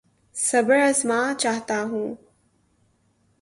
صبر آزما چاہتا ہوں